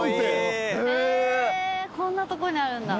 へぇこんなとこにあるんだ。